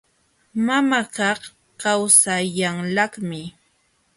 Mamakaq kawsayanlaqmi.